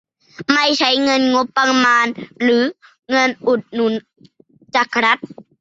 ไม่ใช่เงินงบประมาณหรือเงินอุดหนุนจากรัฐ